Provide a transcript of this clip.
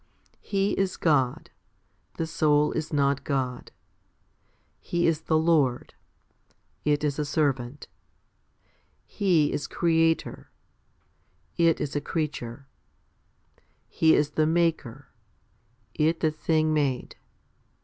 He is God; the soul is not God. He is the Lord ; it is a servant. He is Creator ; it is a creature. He is the Maker; it the thing made.